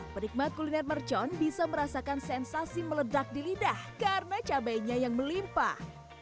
perikmat kuliner mercon bisa merasakan sensasi meledak di lidah karena cabainya yang melimpah